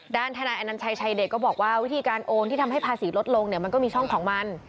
ทนายอนัญชัยชัยเด็กก็บอกว่าวิธีการโอนที่ทำให้ภาษีลดลงเนี่ยมันก็มีช่องของมัน